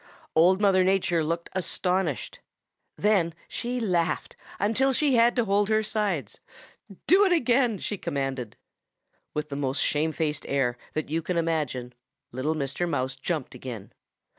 Old Mother Nature looked astonished. Then she laughed until she had to hold her sides. 'Do it again,' she commanded. "With the most shamefaced air that you can imagine, little Mr. Mouse jumped again.